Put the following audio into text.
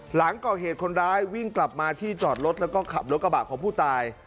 หลังก่อเหตุคนร้ายวิ่งกลับมาที่จอดรถแล้วก็ขับรถกระบะของผู้ตาย